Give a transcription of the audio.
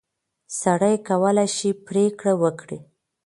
سړی کولای شي پرېکړه وکړي.